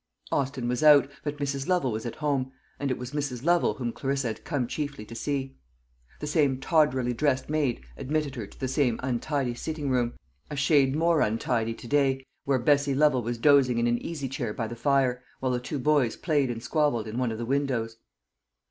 Austin was out, but Mrs. Lovel was at home, and it was Mrs. Lovel whom Clarissa had come chiefly to see. The same tawdrily dressed maid admitted her to the same untidy sitting room, a shade more untidy to day, where Bessie Lovel was dozing in an easy chair by the fire, while the two boys played and squabbled in one of the windows.